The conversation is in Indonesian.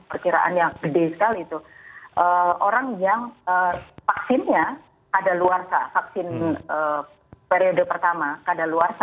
kekiraan yang gede sekali itu orang yang vaksinnya pada luar vaksin periode pertama pada luar